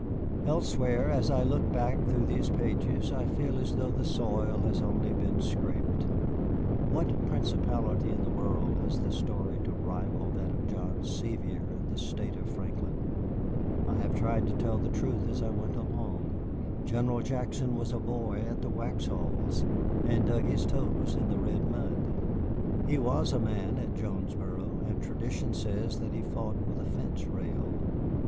Elsewhere, as I look back through these pages, I feel as though the soil had only been scraped. What principality in the world has the story to rival that of John Sevier and the State of Franklin? I have tried to tell the truth as I went along. General Jackson was a boy at the Waxhaws and dug his toes in the red mud. He was a man at Jonesboro, and tradition says that he fought with a fence rail.